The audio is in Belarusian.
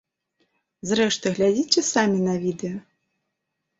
Зрэшты, глядзіце самі на відэа.